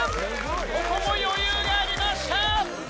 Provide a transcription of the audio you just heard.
ここも余裕がありました。